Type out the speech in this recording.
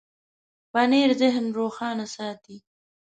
پنېر ذهن روښانه ساتي.